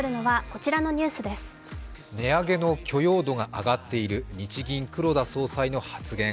値上げの許容度が上がっている、日銀・黒田総裁の発言。